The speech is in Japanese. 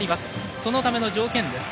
そのための条件です。